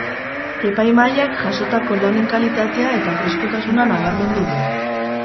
Epaimahaiak jasotako lanen kalitatea eta freskotasuna nabarmendu du.